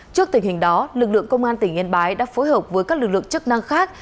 trước tình hình đó lực lượng công an tỉnh yên bái đã phối hợp với các lực lượng chức năng khác